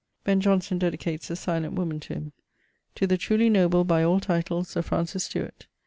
Ben Jonson dedicates The Silent Woman to him. 'To the truly noble by all titles Sir Francis Stuart.